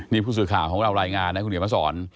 นี่ผู้สืบข่าวของเรารายงานนะครับคุณเหรียญพระสร